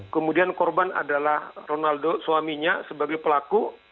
kemudian korban adalah ronaldo suaminya sebagai pelaku